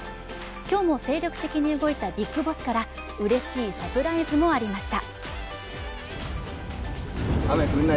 今日も精力的に動いたビッグボスからうれしいサプライズもありました。